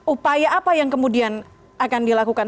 upaya apa yang kemudian akan dilakukan